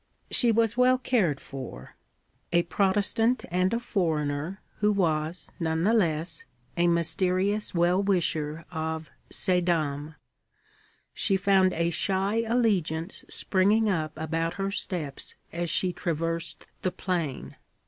She was well cared for: a Protestant and a foreigner, who was, none the less, a mysterious well wisher of 'ces dames,' she found a shy allegiance springing up about her steps as she traversed the plain.